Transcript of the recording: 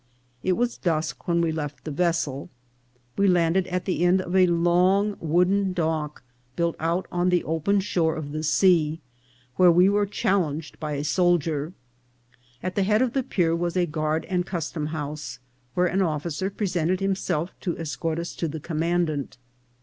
It was dusk when we left the vessel. We landed at the end SISAL. 395 of a long wooden dock, built out on the open shore of the sea, where we were challenged by a soldier. At the head of the pier was a guard and custom house, where an officer presented himself to escort us to the commandant.